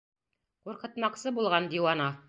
Ҡурҡытмаҡсы булған, диуана.